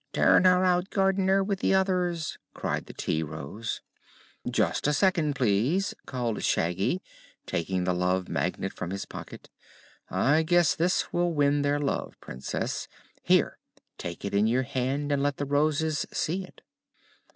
"Turn her out, Gardener, with the others!" cried the Tea Rose. "Just a second, please!" called Shaggy, taking the Love Magnet from his pocket. "I guess this will win their love, Princess. Here take it in your hand and let the roses see it."